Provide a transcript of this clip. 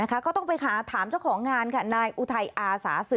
ก็ต้องไปหาถามเจ้าของงานค่ะนายอุทัยอาสาสื่อ